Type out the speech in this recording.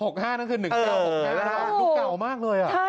๖๕นั้นคือ๑๙๖๖เลยฮะ